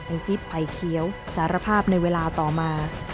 ไอจิตภัยเคียวสารภาพในเวลาต่อมา